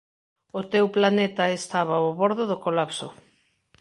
O teu planeta estaba ao bordo do colapso.